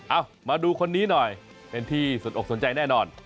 มาดูคนนี้หน่อยเป็นที่สนอกสนใจแน่นอน